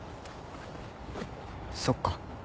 そっか。